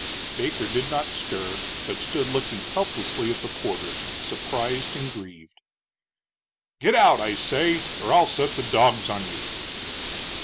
Baker did not stir, but stood looking helplessly at the porter, surprised and grieved. "Get out, I say, or I'll set the dogs on you!"